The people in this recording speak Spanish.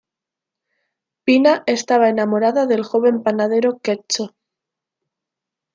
Pina estaba enamorada del joven panadero Cecco.